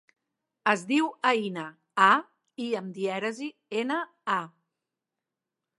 Es diu Aïna: a, i amb dièresi, ena, a.